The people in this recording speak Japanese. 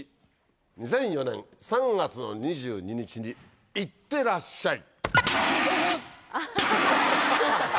２００４年３月２２日にいってらっしゃい。